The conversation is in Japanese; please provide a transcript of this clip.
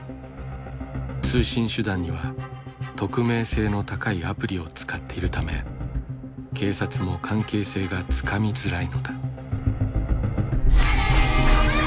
通信手段には匿名性の高いアプリを使っているため警察も関係性がつかみづらいのだ。